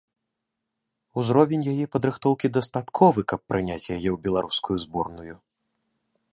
Узровень яе падрыхтоўкі дастатковы, каб прыняць яе ў беларускую зборную.